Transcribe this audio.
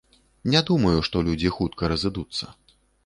Не думаю, што людзі хутка разыдуцца.